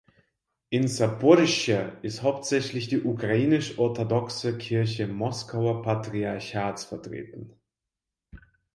In Saporischschja ist hauptsächlich die Ukrainisch-Orthodoxe Kirche Moskauer Patriarchats vertreten.